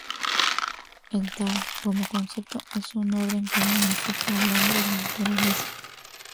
El tao, como concepto, es un orden que unifica al hombre y la naturaleza.